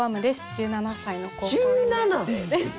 １７歳の高校２年生です。